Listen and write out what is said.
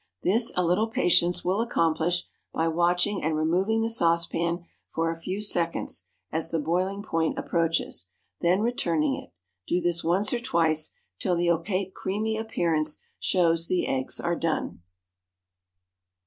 This a little patience will accomplish by watching and removing the saucepan for a few seconds as the boiling point approaches, then returning it; do this once or twice, till the opaque, creamy appearance shows the eggs are done.